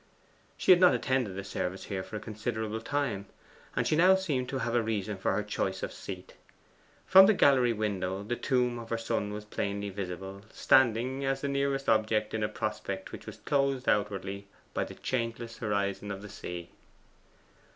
She had not attended the service here for a considerable time, and she now seemed to have a reason for her choice of seat. From the gallery window the tomb of her son was plainly visible standing as the nearest object in a prospect which was closed outwardly by the changeless horizon of the sea.